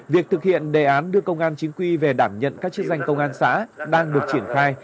việc thực hiện đề án đưa công an chính quy về đảm nhận các chức danh công an xã đang được triển khai